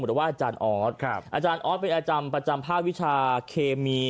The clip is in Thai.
หรือว่าอาจารย์ออสครับอาจารย์ออภนติถามประจำภาควิชาเคมี